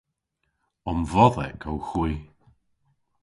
Omvodhek owgh hwi.